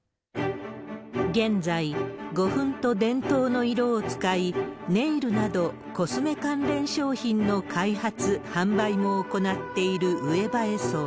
現在、胡粉と伝統の色を使い、ネイルなど、コスメ関連商品の開発・販売も行っている上羽絵惣。